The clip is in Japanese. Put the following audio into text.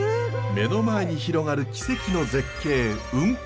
目の前に広がる奇跡の絶景雲海。